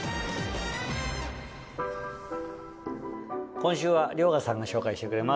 今週は遼河さんが紹介してくれます。